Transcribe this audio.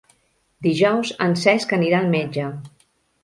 Dijous en Cesc anirà al metge.